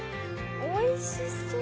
おいしそう！